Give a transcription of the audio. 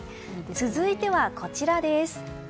続いてはこちら。